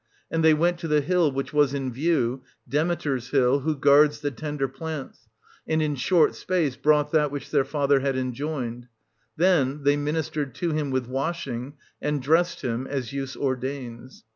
And they went to the hill which 1600 was in view, Demeters hill who guards the tender plants, and in short space brought that which their father had enjoined ; then they ministered to him with washing, and dressed him, as use ordains.